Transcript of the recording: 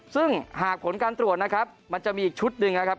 ซึ่งหากผลการตรวจนะครับมันจะมีอีกชุดหนึ่งนะครับ